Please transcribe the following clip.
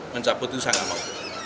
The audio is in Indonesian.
mencabut itu saya nggak mau